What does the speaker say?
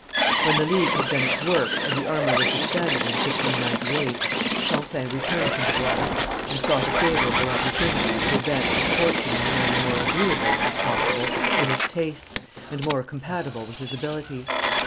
When the League had done its work and the army was disbanded in 1598, Champlain returned to Brouage, and sought a favourable opportunity to advance his fortune in a manner more agreeable, if possible, to his tastes, and more compatible with his abilities.